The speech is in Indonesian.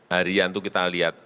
harian itu kita lihat